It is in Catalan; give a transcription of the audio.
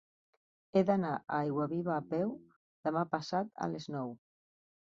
He d'anar a Aiguaviva a peu demà passat a les nou.